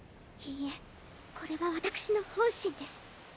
いいえこれが私の本心です。